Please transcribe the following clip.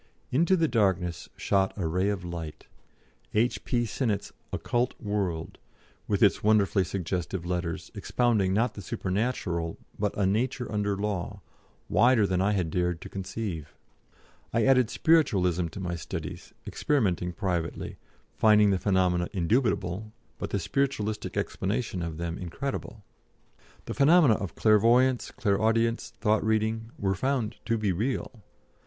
Into the darkness shot a ray of light A.P. Sinnett's "Occult World," with its wonderfully suggestive letters, expounding not the supernatural but a nature under law, wider than I had dared to conceive. I added Spiritualism to my studies, experimenting privately, finding the phenomena indubitable, but the spiritualistic explanation of them incredible. The phenomena of clairvoyance, clairaudience, thought reading, were found to be real.